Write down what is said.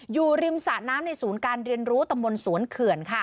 อยู่ริมสะน้ำในศูนย์การเรียนรู้ตำบลสวนเขื่อนค่ะ